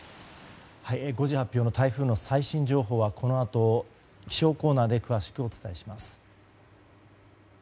５時発表の台風の最新情報はこのあと気象コーナーで詳しくお伝えします。